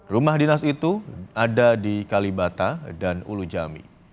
rumah dinas itu ada di kalibata dan ulu jami